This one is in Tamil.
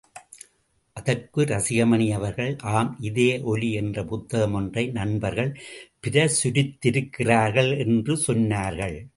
அதற்கு ரசிகமணி அவர்கள் ஆம் இதயஒலி என்ற புத்தகம் ஒன்றை நண்பர்கள் பிரசுரித்திருக்கிறார்கள் என்று சொன்னார்கள்.